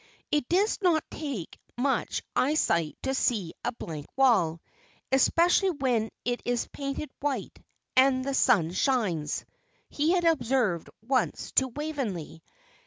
"It does not take much eyesight to see a blank wall especially when it is painted white, and the sun shines," he had observed once to Waveney.